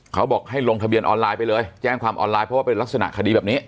เขาบอกให้ลงทะเบียนออนไลน์ไปเลยแจ้งความออนไลน์เพราะว่าเป็นลักษณะคดีแบบนี้